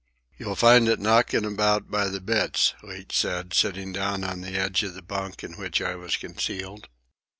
"You'll find it knockin' about by the bitts," Leach said, sitting down on the edge of the bunk in which I was concealed.